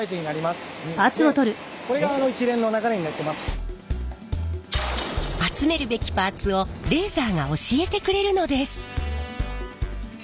これが集めるべきパーツをレーザーが教えてくれるのです。